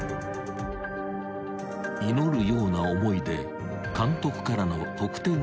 ［祈るような思いで監督からの得点報告を待つ］